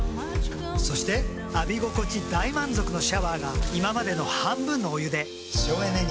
そして浴び心地大満足のシャワーが今までの半分のお湯で省エネに。